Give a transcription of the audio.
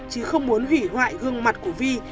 chứ không muốn hủy hoại gương mặt của vy